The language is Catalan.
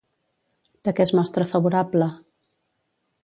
De què es mostra favorable?